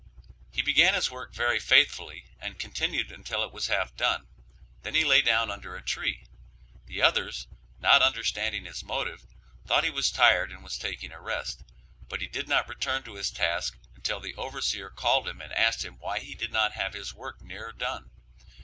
He began his work very faithfully and continued until it was half done, then he lay down under a tree; the others, not understanding his motive, thought he was tired and was taking a rest, but he did not return to his task until the overseer called him and asked him why he did not have his work nearer done.